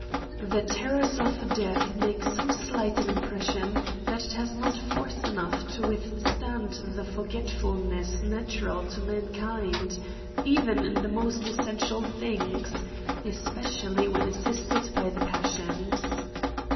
The terrors of death make so slight an impres sion, that it has not force enough to withstand the forgetfulness natural to mankind, even in the most essential things, especially when assisted by the passions.